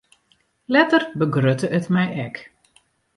Letter begrutte it my ek.